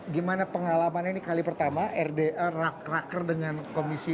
gimana pengalaman ini kali pertama rdr raker dengan komisi empat